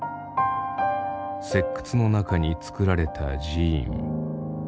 石窟の中につくられた寺院。